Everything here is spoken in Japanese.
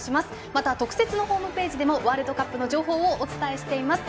また、特設のホームページでもワールドカップの情報をお伝えしています。